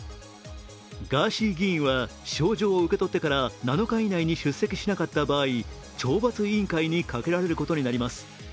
ガーシー議員は招状を受け取ってから７日以内に出席しなかった場合懲罰委員会にかけられることになります。